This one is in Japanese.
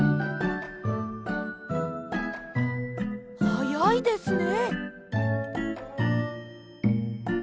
はやいですね！